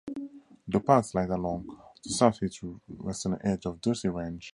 The park lies along the south-western edge of Dulcie Range.